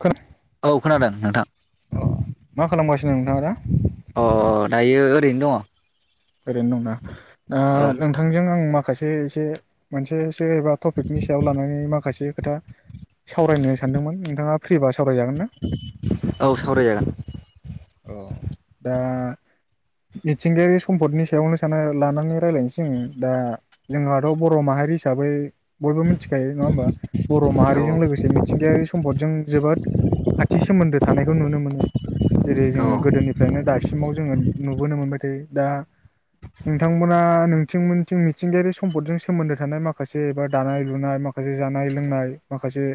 खोना औ खोनादों नोंथां अ [unintelligible] बेनो दङ ओरैनो नं ना औ ओ नोंथांजों आं मा खासे जि मानसे के एबा टपिकनि सायाव लानाय माखासे खोथा सावरायनो सानदोंमोन नोंथाङा फ्रि बास? औ सावराय जागोन [inaudible] औ दा मिथिंगायारि सम्पदनि सायावनो सान लानानै रायज्लायनोसै दा जोंहा बर माहारि हिसाबै बयबो मिथि गायो नङा होमबा बर माहारिजों लोगोसे मिथिंगायारि सम्पदजों जोबोद खाथि सोमोन्दो थानायखौ नुनो मोनो जेरै औ जोङो गोदोनिफ्रायनो दासिमाव जोङो नुबोनो मोनबाय थायो दा नोंथांमोना नोंथिंमोनथिं मिथिंगायारि सम्पदजों सोमोन्दो थानाय माखासे एबा दानाय लुनाय माखासे जानाय लोंनाय माखासे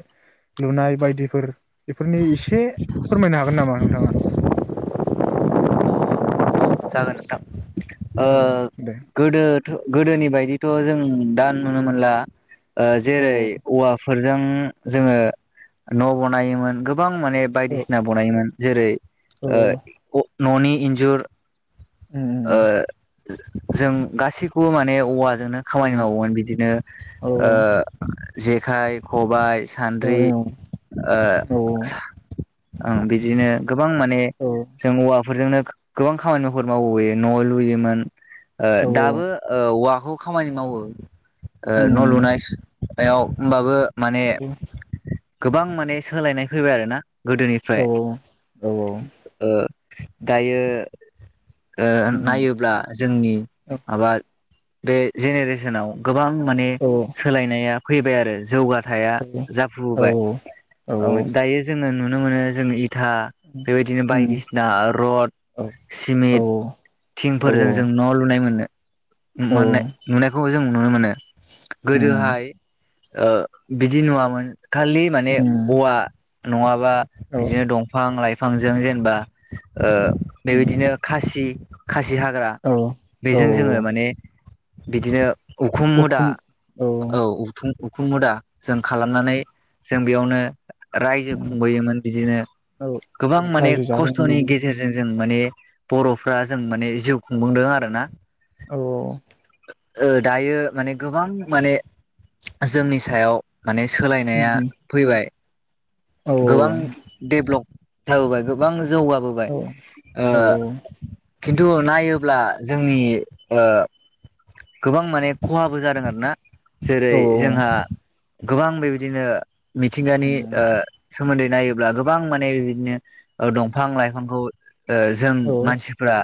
लुनाय बायदिफोर बेफोरनि एसे फोरमायनो हागोन नामा नोंथाङा? जागोन नोंथा औ ओ दे गोदो गोदोनि बायदिथ जों दा नुनो मोनला ओ औ जेरै औवाफोर जों जोङो न बनायोमोन बां माने औ बायदिसिना बनायोमोन जेरै आ अ ननि इन्जुर उम ओ जों गासिख खौ माने औवा जोंनो उम औ खामानि मावोमोन बिदिनो औ ओ जेखाइ खबाइ औ सान्द्रि ओ औ उम ओम बिदिनो गोबां माने औ जों औवा फोरजोंनो गोबां खामानिफोर मावबोयो न लुयोमोन ओ औ औ दाबो औवाखौ ओ खामानि मावो ओ उम न लुनाय नायाव होनबाबो औ गोबां माने सोलायनाय फैबाय आरो ना गोदोनिफ्राय ओ दायो, ओ नायोब्ला जोंनि माबा, बे जेनेरेसनाव गोबां, माने औ सोलायनाया, फैबाय आरो जौगा थाया औ औ जाफुबाय ओ दायो जोङो नु नुनो मोनो जों इ था बेबायदिनो उम बायदिसिना रड औ सिमेन्ट औ थिंफोरजों जों औ न' लुनाय मोननो, औ मोननाय नुनायखौ जों नुनो मोनो, उम गोदोहाय, ओ बिदि नुवामोन खालि माने उम औवा, नङा बा औ बिदिनो दफां लाइ बिफांजों जेनेबा ओ औ बेबायदिनो खासि खासिहा हाग्रा औ औ बेजों जोङो माने बिदिनो उखुम मुदा औ उदां उखुम मुदा जों खालामनानै, जों बेयावनो रायजो खुंबोयोमोन बिदिनो औ गोबां माने रायजो जाबोनो खस्थनि गेजेरजों जों, माने बर'फ्रा जों माने जिउ खुंबोदों आरो ना औ ओ दायो माने गोबां माने जोंनि सायाव, माने सोलायनाया फैबाय, औ गोबां डेभ्लप, जाबोबाय गोबां जौगाबोबाय, ओ औ खिन्थु नायोब्ला जों जोंनि ओ गोबां माने खहाबो जादों आरोना जेरै जोंहा गोबां बेबायदिनो मिथिंगानि ओ सोमोन्दै नायोब्ला गोबां माने बिदिनो दंफां लाइफांखौ जों मानसिफ्रा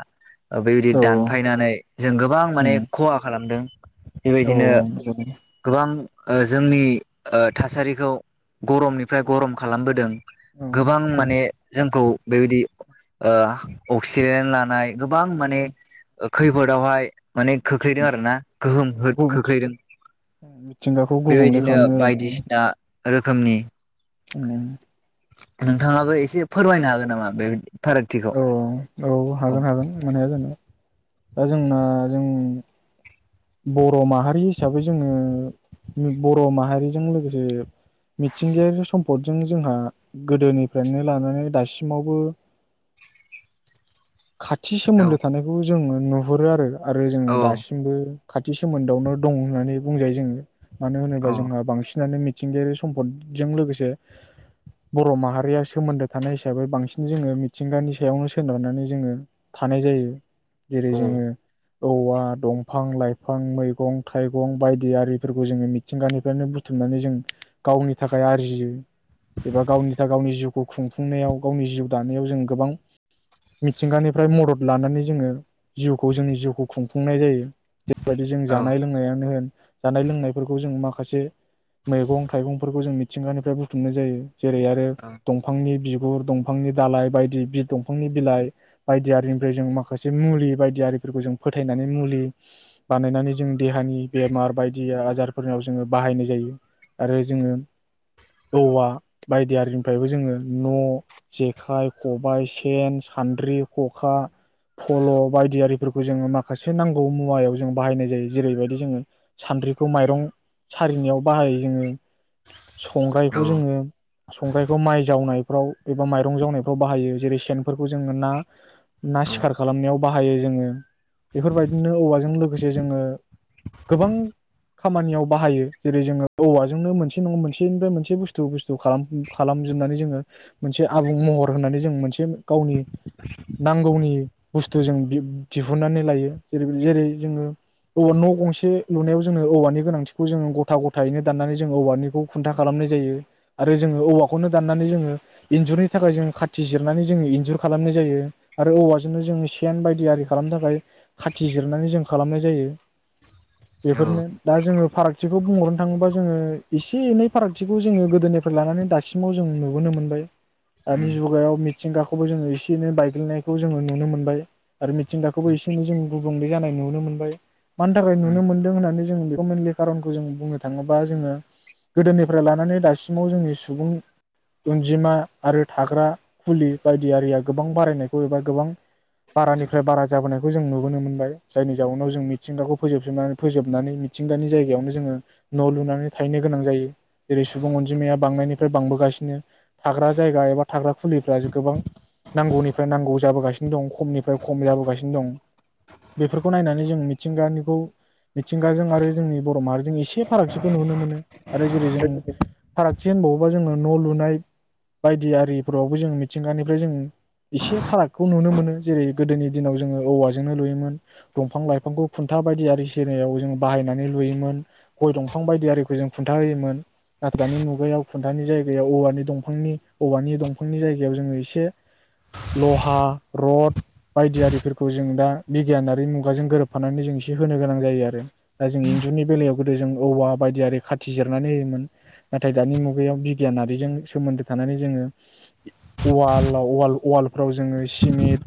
औ बेबायदि दानफायनानै जों गोबां माने खहा खालामदों। बेबायदिनो गोबां जोंनि थासारिखौ गरमनिफ्राय गरम खालामबोदों। उम गोबां औ माने जोंखौ बेबायदि ओ अक्सिजेन लानाय गोबां माने खैफोदावहाय माने खोख्लैदों आरो ना गोहोम खोख्लैदों मिथिंगाखौ गुबुंले बेबायदिनो बायदिसिना रोखोमनि उम नोंथाङाबो एसे फोरमायनो हागोन नामा बेबायदि औ औ हागोन हागोन मानो हाया जानो दा जोंना जों बर'माहारि हिसाबै जोङो बर' माहारिजों लोगोसे मिथिंगायारि सम्पदजों जोंहा गोदोनिफ्रायनो लानानै दासिमावबो खाथि औ सोमोन्दो थानायखौ जोंङो नुहुरो आरो। आरो जोङो औ दासिमबो खाथि सोमोन्दआवनो दं होननानै बुंजायो जोङो। मानो होनोबा जोंहा बांसिनानो मिथ मिथिंगायारि सम्पदजों लोगोसे बर' माहारिया सोमोन्दो थानाय हिसाबै बांसिन जोङो मिथिंगानि सायावनो सोनारनानै जोङो थानाय जायो। जेरै औ जोङो औवा दंफां लाइ लाफां मैगं थाइगं बायदि आरिफोरखौ जोङो मिथिंगानिफ्रायनो बुथुमनानै जों गावनि थाखाय आरजियो एबा गावनि थाखाय गावनि जिउखौ खुंफुंनायाव गावनि जिउ दानायाव जों गोबां मिथिंगानिफ्राय मदद लानानै जोङो जिउखौ जोंनि जिउखौ खुंफुंनाय जायो। बेबायदि जों औ जानाय लोंनायानो होन जानाय लोंनायफोरखौ जों माखासे मैगं थाइगंफोरखौ जों मिथिंगानिफ्राय बुथुमनाय जायो। जेरै आरो दंफांनि बि गुर दंफांनि दालाय बायदि बि-दंफांनि बिलाइ बायदि आरिनिफ्राय जों माखासे मुलि बायदि आरिफोरखौ जों फोथायनानै मुलि बानायनानै जों देहानि बेमार बायदि आजारफोरनाव जोङो बाहायनाय जायो आरो जोङो औवा बायदि आरिनिफ्रायबो जोङो न' जेखाइ खबायाइ सेन सान्द्रि खखा फल बायदि आरिफोरखौ जोङो माखासे नांगौ मुवायाव जों बनाय जायो जेरैबायदि जोङो सानद्रिखौ माइरं सारिनायाव बाहायो जोङो संग्रायखौ जोङो संग्राइखौ माइ जावनायफ्राव एबा माइरं जावनायफ्राव बाहायो जेरै सेनफोरखौ जोङो ना? ना सिखार खालामनायाव बाहायो जोङो बेफोरबायदिनो औवाजों लो गोसे जोङो गोबां खामानियाव बाहायो जेरै जोङो औवाजोंनो मोनसे नङा मोनसेनिबो मोनसे बुस्थु बुस्थु खालाम खालामजोबनानै जोङो मोनसे आबुं महर होननानै जों मोनसे गावनि नांगौनि बुस्थु जों दिहुननानै लायो जेरै जेरै जोङो औवा न' गंसे लुनायाव जोङो औवानि गोनांथिखौ जोङो गथा गथायैनो दाननानै जोंङ औवानिखौ खुन्था खालामनाय जायो आरो जोङो औवाखौनो दाननानै जोङो इन्जुरनि थाखाय जोङो खाथि जिरनानै जोङो इन्जुर खालामनाय जायो आरो औवाजोंनो जोङो सेन बायदि आरि खालामनो थाखाय खाथि जिरनानै जों खालामनाय जायो बेफोरनो दा जोङो फारागथिखौ बुंहरनो थाङोबा जोङो एसे एनै फारागथिखौ जोङो गोदोनिफ्राय लानानै दासिमाव जों नुबोनो मोनबाय औ दानि जुगायाव मिथिंगाखौबो जोङो एसे एनै बायग्लिनायखौ जोङो नुनो मोनबाय आरो मिथिंगाखौबो एसे एनै जों गुबुंले जानाय नुनो मोनबाय मानि थाखाय नुनो मोनदों होननानै जों बेखौ मेनलि खारनखौ जों बुंनो थाङोबा जोङो गोदोनिफ्राय लानानै दासिमाव जोंनि सुबुं अनजिमा आरो थाग्रा खुलि बायदि आरिया गोबां बारायनायखौ एबा गोबां बारानिफ्राय बारा जाबोनायखौ जों नुबोनो मोनबाय जायनि जाउनाव जों मिथिंगाखौ फोजोबसोबनानै फोजोबनानै मिथिंगानि जायगायावनो जोङो न' लुनानै थाहैनो गोनां जायो जेरै सुबुं अनजिमाया बांनायनिफ्राय बांबोगासिनो थाग्रा जायगा एबा थाग्रा खुलिफ्रा गोबां नांगौनिफ्राय नांगौ जाबोगासिनो दं खमनिफ्राय खम जाबोगासिनो दं बेफोरखौ नायनानै जों मिथिंगानिखौ मिथिंगाजों आरो जोंनि बर' माहारिजों एसे फारागथिखौ नुनो मोनो आरो जेरै जों फारागथि होनबावो अबबा जोङो न' लुनाय बायदि आरिफोरावबो जों मिथिंगानिफ्राय जों एसे फारागखौ नुनो मोनो जेरै गोदोनि दिनाव जोङो औवाजोंनो लुयोमोन दंफां लाइफांखौ खुन्था बायदि आरि सेरायाव जों बाहायनानै लुयोमोन गय दंफां बायदि आरिखौ जों खुन्था होयोमोन नाथाय दानि मुगायाव खुन्थानि जायगायाव औवानि दंफांनि औवानि दंफांनि जायगायाव जोङो एसे लहा रड बायदि आरिफोरखौ जों दा बिगियानारि मुगाजों गोरोबफानानै जों एसे होनो गोनां जायो आरो दा जों इन्जुरनि बेलायाव गोदो जों औवा बायदियारि खाथि जिरनानै होयोमोन नाथाय दानि मुगायाव बिगियानारिजों सोमोन्दो थानानै जोङो उालावाल उवालफ्राव जोङो सिमेन्ट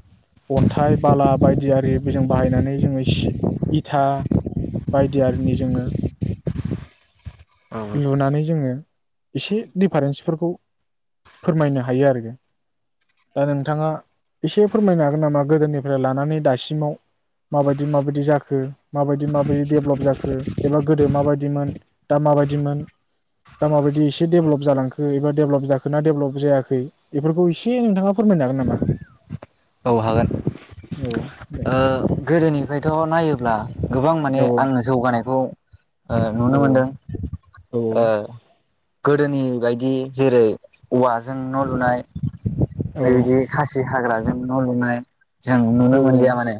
अन्थाइ बाला बायदियारि बेजों बायनानै जोङो इथा बायदि आरनि जोङो औ लुनानै जोङो एसे दिडिफारेन्सफोरखौ फोरमायनो हायो आरो नोंथाङा एसे फोरमायनो हागोन नामा गोदोनिफ्राय लानानै दासिमाव माबायदि माबायदि जाखो माबायदि माबायदि डेभेलप जाखो एबा गोदो माबायदिमोन दा माबायदिमोन दा माबायदि एसे डेभेलप जालांखो एबा डेभेलप जाखो ना डेभेलप जायाखै बेफोरखौ एसे नोंथाङा फोरमायनो हागोन नामा औ हागोन औ दे ओ गोदोनिफ्रायथ नायोब्ला गोबां माने औ औ आङो जौगानायखौ नुनो औ मोनदों औ ओ गोदोनि बेबायदि जेरै औवाजों न' लुनाय औ बेबायदि खासि हाग्रा न' लुनाय जों नुनो मोनलिया माने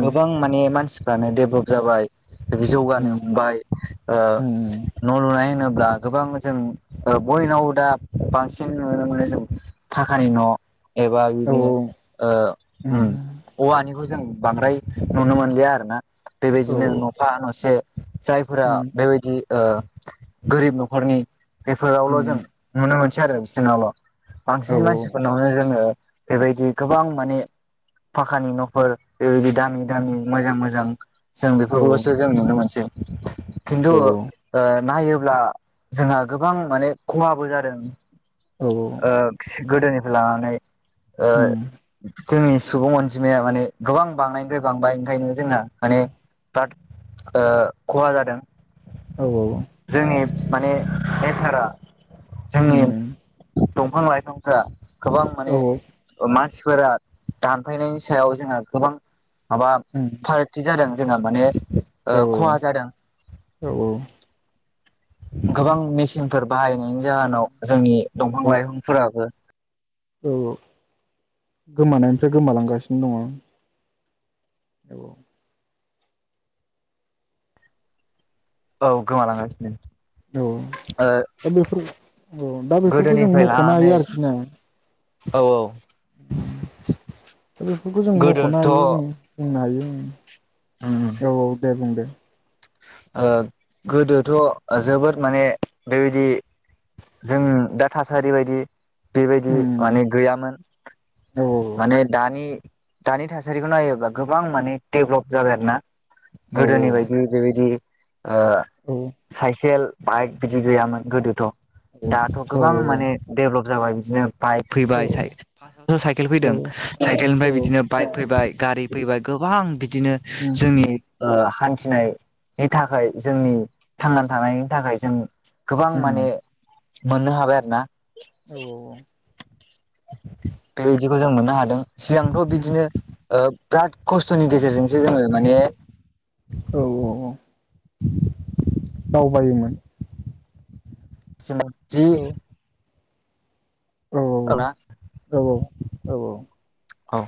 गोबां माने मानसि फानो डेभेलप जाबाय बे जौगानो हमबाय ओ उम न'लुनाय होनो ब्ला गोबां जों बयनाव दा बांसिन नुनो मोनो जों फाखानि न' एबा औ उम बिदिनो ओ ओम औवानिखौ जों बांद्राय नुनो मोनलिया आरो ना औ बेबायदिनो उम नफा नसे जायफोरा बेबायदि ओ गोरिब नखरनि बेफोरावल जों नुनो मोन सै आरो बिसिनल औ उम औ बांसिन मानसिफोरनावनो जोङो बेबायदि गोबां माने फाखानि न'फोर बेबायदि दामि उम औ उम दामि मोजां मोजां जों औ बेफोरखौलसो जों नुनो मोनसै खिन्थु ओ नायोब्ला जोंहा गोबां माने खहाबो जादों। ओम खि गोदोनि लाानानै ओ। जोंनि सुबुं अनजिमाया माने। गोबां बांनायनिफ्राय बांबाय ओंखायनो। जोंना माने बाद। ओ खहा जादों। औ औ औ। जोंनि माने बेसारा। जोंनि। दंफां लाइफांफ्रा। गोबां माने ओ मास। फोर दानफायनायनि सायाव जोंहा। गोबां। माबा फारागथि जादों। जोंहा माने। औ ओ औ औ खहा जादों औ औ। गोबां मेसिनफोर बाहाय। नायनि जाहोनाव जोंनि दंफां लाइफांफोराबो। औ औ गोमानायनिफ्राय गोमालांगासिनो दङ। औऔ औ गोमालांगासिनो। औ ओ दा बेफोर औ दा बेफोरखौ जों गोदोनिफ्राय मख'नो लानानै हायो आरोखि ना औ औ ओम दा बेफोरखौ जों मख'नो गोदोथ' हायो जों बुंनो हायो। ओम उम औ औ दे बुंं दे। [inaudible] ओ गोदोथ' ओ जोबोद माने बेबायदि जों दा थासारि बायदि बेबायदि उम माने गैयामोन औ माने दानि दानि थासारिखौ नायोब्ला गोबां माने डेभलब जाबाय आरो ना। औ गोदोनि बायदि बेबायदि ओ औ साइकेल बाइक बिदि गैयामोन गोदोथ' औ उम औ दाथ' गोबां माने डेभलब जाबाय बिदिनो बाइक फैबाय साइ ओमहो साइकेल फैदों साइकेलनिफ्राय बिदिनो बाइक फैबाय गारि फैबाय गोबां बि दिनो जोंनि ओ हान्थिनाय नि थाखाय जोंनि थांनानै थानायनि थाखाय जों गोबां माने मोननो हाबाय आरो ना। औ औ औ दा बिदि खौ जों मोननो हादों। सिगांथ' बिदिनो ओ बिराद खस्थ'नि गेजेरजों जों माने औ दावबायोमोन। [unintelligible] जि औ औ औ ना औ औ। औ औ। औ।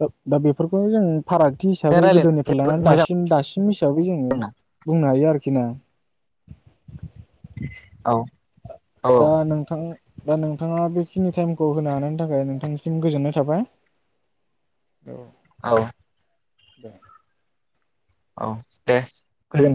दा दा बेफोरखौनो जों। फारागथि हिसाबै रायलायनानै गोदोनिफ्राय लानानै जोबोद मोजां दासिम दासिम हिसाबै जोङो मोनदों बुंनो हायो आरोख सिना औ। औ दा नोंथां। दा नोंथाङा बेखिनि टाइमखौ होनो हानायनि थाखाय नोंथांनिसिम गोजोननाय थाबाय औ [inaudible] औ दे गोजोन